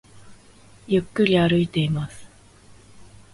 ゆっくり歩いています